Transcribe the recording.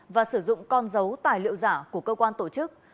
và sử dụng con dấu tài liệu giả của cơ quan tổ chức